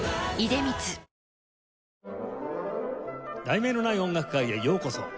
『題名のない音楽会』へようこそ。